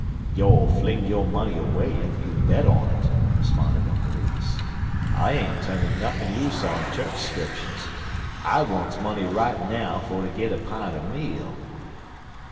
"You'll fling yo' money away ef you bet on it," responded Uncle Remus. "I ain't turnin' nothin' loose on chu'ch 'scriptions. I wants money right now fer ter git a pint er meal."